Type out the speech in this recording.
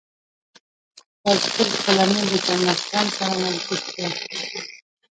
فریدګل خپله مور له جمال خان سره معرفي کړه